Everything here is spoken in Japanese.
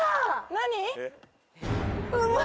何？